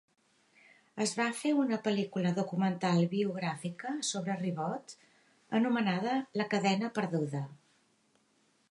Es va fer una pel·lícula documental biogràfica sobre Ribot anomenada "La Cadena perduda".